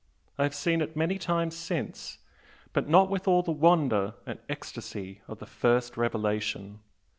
I have seen it many times since, but not with all the wonder and ecstasy of the first revelation.